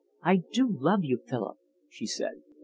"I do love you, Philip," she said.